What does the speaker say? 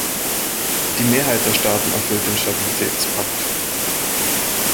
Die Mehrheit der Staaten erfüllt den Stabilitätspakt.